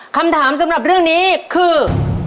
คำถามสำหรับเรื่องนี้คือ